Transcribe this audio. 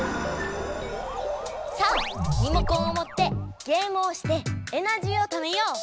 さあリモコンをもってゲームをしてエナジーをためよう！